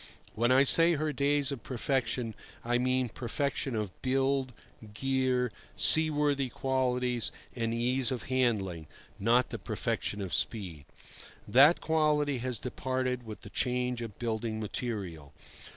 When I say her days of perfection, I mean perfection of build, gear, seaworthy qualities and ease of handling, not the perfection of speed. That quality has departed with the change of building material.